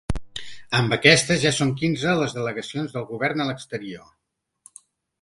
Amb aquesta, ja són quinze les delegacions del govern a l’exterior.